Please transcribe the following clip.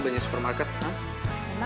misalnya kamu patreon dia aja